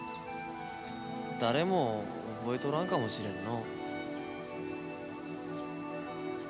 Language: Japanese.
誰も覚えとらんかもしれんの。